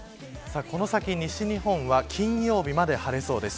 この先、西日本は金曜日まで晴れそうです。